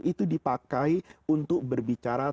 itu dipakai untuk berbicara